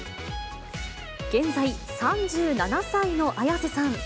現在、３７歳の綾瀬さん。